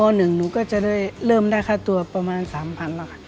หนูก็จะได้เริ่มได้ค่าตัวประมาณ๓๐๐๐บาทค่ะ